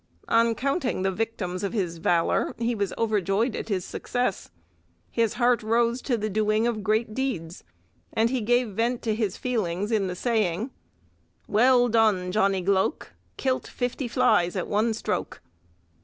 On counting the victims of his valour, he was overjoyed at his success; his heart rose to the doing of great deeds, and he gave vent to his feelings in the saying: "Well done! Johnny Gloke, Kilt fifty flies at one stroke."